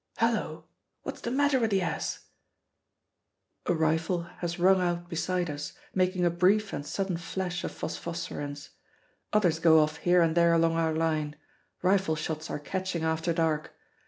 Hullo! What's the matter with the ass?" A rifle has rung out beside us, making a brief and sudden flash of phosphorescence. Others go off here and there along our line. Rifle shots are catching after dark.